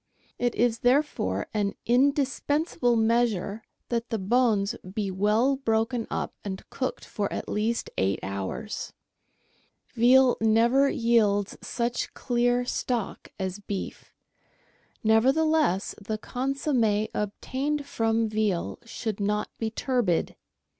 It is therefore an indis pensable measure that the bones be well broken up and cooked for at least eight hours. Veal never yields such clear stock as beef; nevertheless, the consomm^ obtained from veal should not be turbid.